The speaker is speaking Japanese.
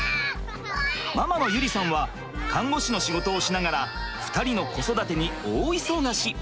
ママの優里さんは看護師の仕事をしながら２人の子育てに大忙し。